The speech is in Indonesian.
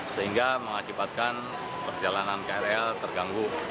sehingga mengakibatkan perjalanan krl terganggu